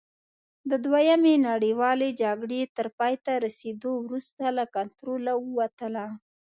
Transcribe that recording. د دویمې نړیوالې جګړې تر پایته رسېدو وروسته له کنټروله ووتله.